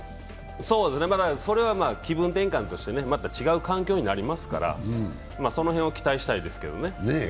それは気分転換としてまた違う環境になりますから、その辺を期待したいですけどね。